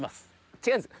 違うんです